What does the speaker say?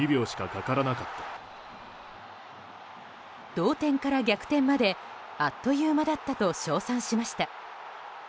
同点から逆転まであっという間だったと称賛しました。